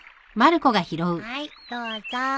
はいどうぞ。